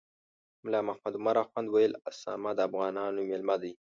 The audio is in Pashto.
ملا محمد عمر اخند ویل اسامه د افغانانو میلمه دی.